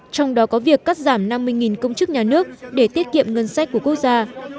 trong đó có việc cắt giảm năm mươi công chức nhà nước để tiết kiệm ngân sách của quốc gia